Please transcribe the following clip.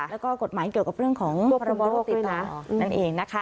แล้วก็กฎหมายเกี่ยวกับเรื่องของพรบโรคติดต่อนั่นเองนะคะ